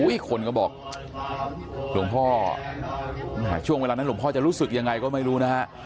อีกคนก็บอกหลวงพ่อช่วงเวลานั้นหลวงพ่อจะรู้สึกยังไงก็ไม่รู้นะฮะ